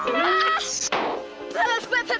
coba rotinya dulu